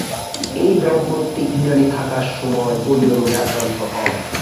এই দম্পতি ইরানে থাকার সময় পোলিও রোগে আক্রান্ত হন।